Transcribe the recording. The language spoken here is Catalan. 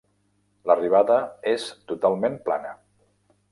L'arribada és totalment plana.